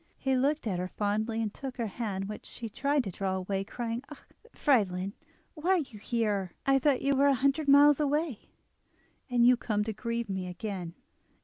He looked at her fondly, and took her hand, which she tried to draw away, crying: "Ah! Friedlin, why are you here? I thought you were a hundred miles away. Are you come to grieve me again?"